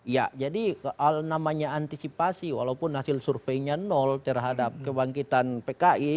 ya jadi namanya antisipasi walaupun hasil surveinya nol terhadap kebangkitan pki